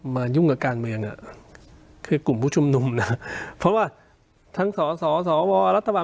ยุ่งกับการเมืองอ่ะคือกลุ่มผู้ชุมนุมนะเพราะว่าทั้งสสวรัฐบาล